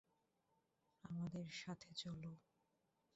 আমাদের সাথে চলো।